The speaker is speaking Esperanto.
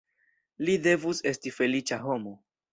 Li devus esti feliĉa homo.